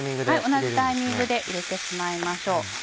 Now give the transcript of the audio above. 同じタイミングで入れてしまいましょう。